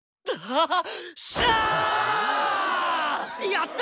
やった！